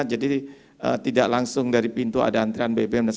jadi tidak langsung dari pintu ada antrean bpm